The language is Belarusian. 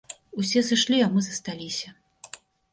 Усе сышлі, а мы засталіся.